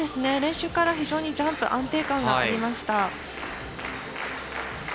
練習から非常にジャンプ安定感がありました。